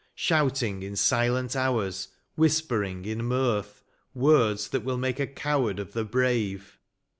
Shouting in silent hours, whispering in mirth. Words that will make a coward of the brave.